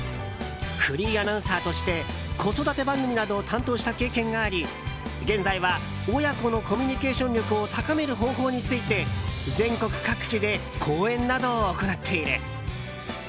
フリーアナウンサーとして子育て番組などを担当した経験があり現在は親子のコミュニケーション力を高める方法について全国各地で講演などを行っている。